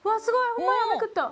ホンマやめくった。